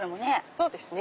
そうですね。